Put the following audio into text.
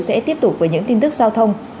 sẽ tiếp tục với những tin tức giao thông